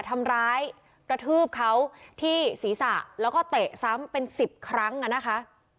ทำร้ายกระทืบเขาที่ศีรษะแล้วก็เตะซ้ำเป็นสิบครั้งอ่ะนะคะ